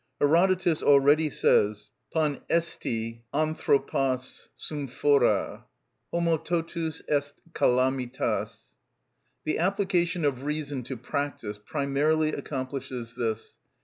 Herodotus already says, "Παν εστι ανθρωπος συμφορα" (homo totus est calamitas). The application of reason to practice primarily accomplishes this.